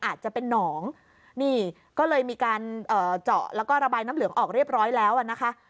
อาจจะเป็นหนองนี่ก็เลยมีการเจาะแล้วก็ระบายน้ำเหลืองออกเรียบร้อยแล้วอ่ะนะคะ